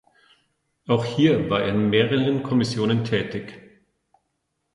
Auch hier war er in mehreren Kommissionen tätig.